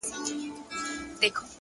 د زغم ځواک لوی هدفونه ممکن کوي،